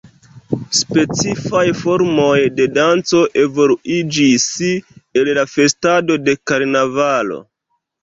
Specifaj formoj de danco evoluiĝis el la festado de karnavalo.